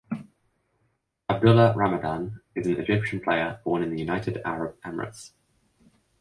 Abdullah Ramadan is an Egyptian player born in the United Arab Emirates.